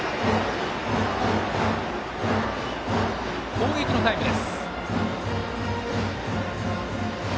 攻撃のタイムです。